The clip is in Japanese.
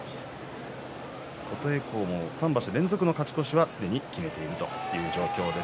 琴恵光も３場所連続の勝ち越しをすでに決めているという状況です。